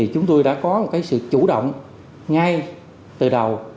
chúng tôi đã có một sự chủ động ngay từ đầu